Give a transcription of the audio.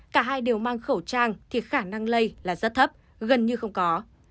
cả hai đều mang khẩu trang thì khả năng lây là rất thấp gần như không có